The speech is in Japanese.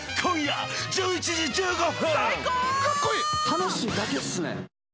楽しいだけですね。